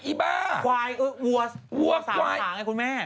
อีบ้าหวายวัว๓ขาไงคุณแม่